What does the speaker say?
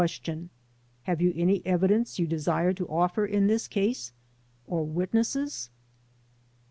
"Have you any evidence you desire to offer in this case, or witnesses?"